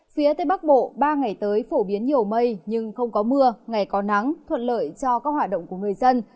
phía tây bắc bộ ba ngày tới phổ biến nhiều mây nhưng không có mưa ngày có nắng thuận lợi cho các hoạt động của người dân